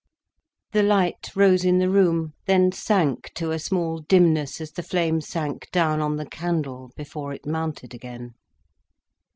The light rose in the room, then sank to a small dimness, as the flame sank down on the candle, before it mounted again.